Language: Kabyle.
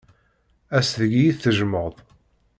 Ass deg iyi-tejjmeḍ.